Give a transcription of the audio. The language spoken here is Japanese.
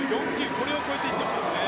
これを超えてほしいですね。